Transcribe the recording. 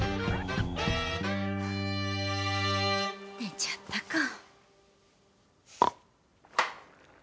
寝ちゃったか。